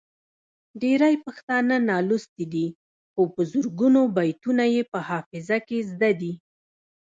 ډیری پښتانه نالوستي دي خو په زرګونو بیتونه یې په حافظه کې زده دي.